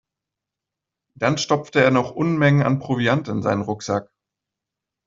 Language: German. Dann stopfte er noch Unmengen an Proviant in seinen Rucksack.